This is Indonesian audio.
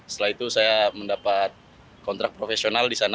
setelah itu saya mendapat kontrak profesional di sana